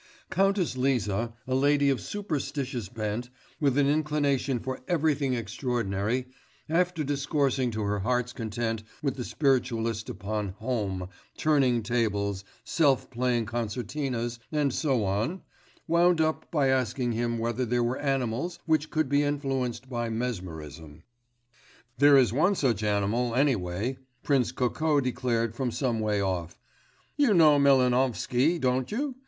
Countess Liza, a lady of superstitious bent, with an inclination for everything extraordinary, after discoursing to her heart's content with the spiritualist upon Home, turning tables, self playing concertinas, and so on, wound up by asking him whether there were animals which could be influenced by mesmerism. 'There is one such animal any way,' Prince Kokó declared from some way off. 'You know Melvanovsky, don't you?